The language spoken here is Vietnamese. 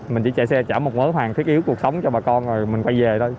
mình chỉ chạy xe chở một món hàng thiết yếu cuộc sống cho bà con rồi mình quay về thôi